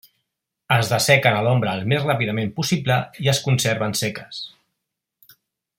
Es dessequen a l'ombra al més ràpidament possible i es conserven seques.